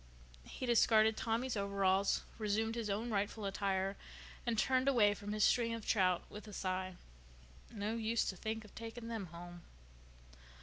He discarded Tommy's overalls, resumed his own rightful attire, and turned away from his string of trout with a sigh. No use to think of taking them home.